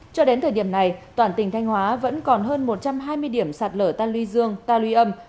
cho đến thời điểm này toàn tỉnh thanh hóa vẫn còn hơn một trăm hai mươi điểm sạt lở ta luy dương ta luy âm